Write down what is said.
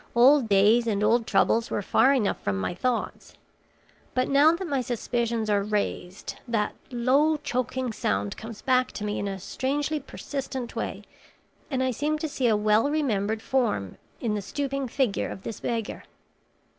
Old days and old troubles were far enough from my thoughts; but now that my suspicions are raised, that low, choking sound comes back to me in a strangely persistent way, and I seem to see a well remembered form in the stooping figure of this beggar.